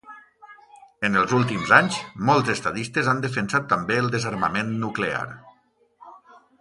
En els últims anys, molts estadistes han defensat també el desarmament nuclear.